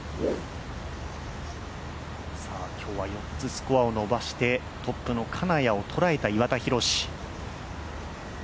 今日は４つスコアを伸ばしてトップの金谷を捉えた岩田寛。